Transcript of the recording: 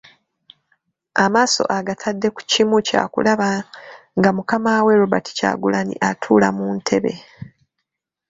Amaaso agatadde ku kimu kyakulaba nga Mukama we, Robert Kyagulanyi atuula mu ntebe.